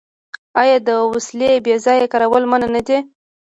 آیا د وسلې بې ځایه کارول منع نه دي؟